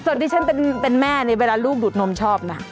ส่วนที่ฉันเป็นแม่นี่เวลาลูกดูดนมชอบนะ